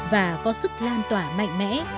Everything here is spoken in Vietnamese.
và có sức lan tỏa mạnh mẽ